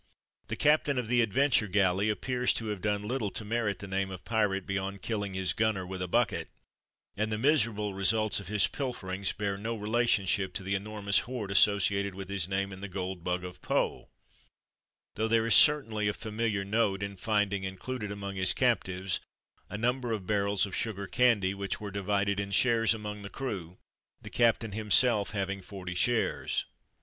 The captain of the Adventure Galley appears to have done little to merit the name of pirate beyond killing his gunner with a bucket, and the miserable results of his pilferings bear no relationship to the enormous hoard associated with his name in "The Gold Bug " of Poe, though there is certainly a familiar note in finding included among his ON PIRATES 185 captives a number of barrels of sugar candy, which were divided in shares among the crew, the captain himself having forty shares.